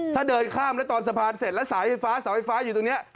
ถ้าเดินข้ามแล้วตอนสะพานเสร็จแล้วสายไฟฟ้าเสาไฟฟ้าอยู่ตรงนี้